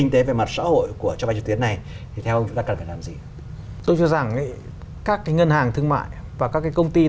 tôi cho rằng càng nhanh càng tốt